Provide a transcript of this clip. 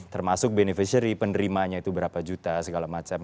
termasuk beneficiary penerimanya itu berapa juta segala macam